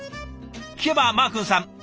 聞けばマークンさん